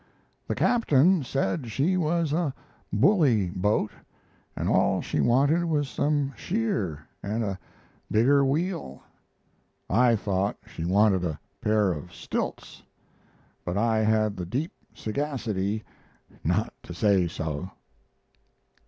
The captain said she was a "bully" boat, and all she wanted was some "shear" and a bigger wheel. I thought she wanted a pair of stilts, but I had the deep sagacity not to say so.'